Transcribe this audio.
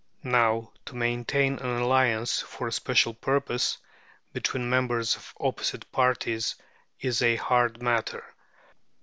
Now, to maintain an alliance for a special purpose, between members of opposite parties, is a hard matter.